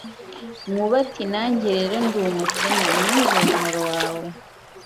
Nkuba ati nanjye rero ndi umukene untize uwo muhoro wawe